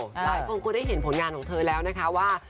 หลายคนก็ได้เห็นผลงานของเธอแล้วนะคะว่า